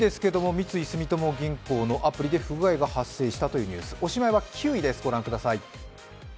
三井住友銀行のアプリで不具合が発生したというニュース、おしまいは９位です、ご覧ください。